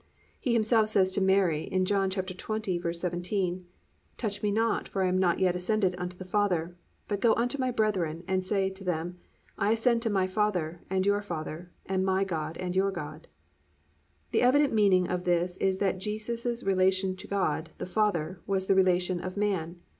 He himself says to Mary in John 20:17, +"Touch me not; for I am not yet ascended unto the father: but go unto my brethren, and say to them, I ascend unto my Father and your Father, and my God and your God."+ The evident meaning of this is that Jesus Christ's relation to God, the Father, was the relation of man.